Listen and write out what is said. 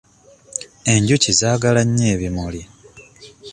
Enjuki zaagala nnyo ebimuli.